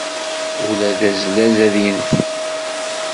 Ula d azlaz ad yenfu.